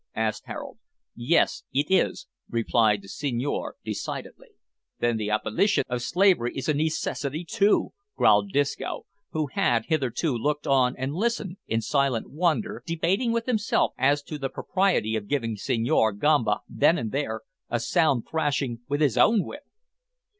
asked Harold. "Yes, it is," replied the Senhor decidedly. "Then the abolition of slavery is a needcessity too," growled Disco, who had hitherto looked on and listened in silent wonder, debating with himself as to the propriety of giving Senhor Gamba, then and there, a sound thrashing with his own whip!